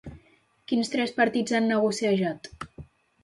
Quins tres partits han negociejat?